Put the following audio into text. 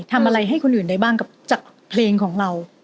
ทำอะไรให้คนอื่นได้บ้างกับจากเพลงของเรา